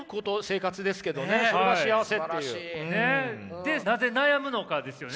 でなぜ悩むのかですよね。